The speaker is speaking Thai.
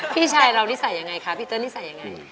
พี่ชายเรานิสัยยังไงคะพี่เติ้นิสัยยังไง